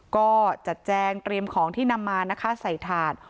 ก็จะแจ้งเตรียมของที่นำมาใส่ถาด